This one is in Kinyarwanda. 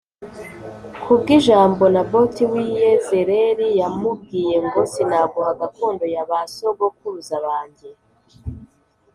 ku bw’ijambo Naboti w’i Yezerēli yamubwiye ngo “Sinaguha gakondo ya ba sogokuruza banjye”